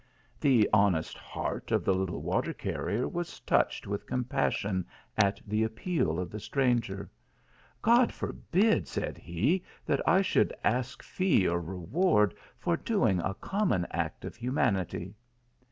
/ The honest heart of the little water carrier was /; touched with compassion at the appeal of the stranger. " Gocl forbid," said he, " that I should ask fee or reward for doing a common act of hu manity."